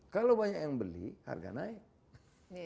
kalau banyak yang beli harga naik